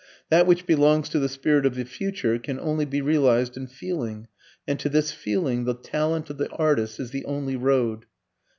That which belongs to the spirit of the future can only be realized in feeling, and to this feeling the talent of the artist is the only road.